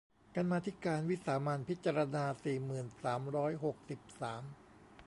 กรรมาธิการวิสามัญพิจารณา สี่หมื่นสามร้อยหกสิบสาม